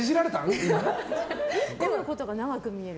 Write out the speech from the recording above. １個のことが長く見える？